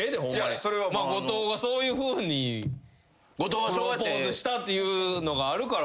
後藤がそういうふうにプロポーズしたっていうのがあるから。